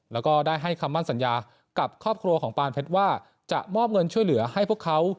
แล้วก็ได้ให้คำมั่นสัญญากับครอบครัวของปานเพชรว่าจะมอบเงินช่วยเหลือให้พวกเขา